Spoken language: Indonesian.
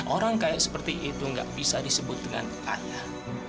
orang kayak seperti itu gak bisa disebut dengan ayah